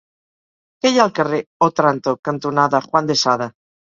Què hi ha al carrer Òtranto cantonada Juan de Sada?